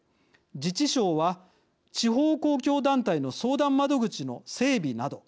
自治省は地方公共団体の相談窓口の整備など。